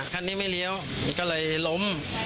คันนี้ไม่เลี้ยวก็เลยล้ม